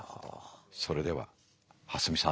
それでは蓮見さん。